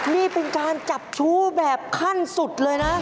นี่เป็นการจับชู้แบบขั้นสุดเลยนะ